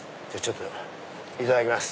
いただきます。